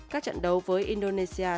các trận đấu với indonesia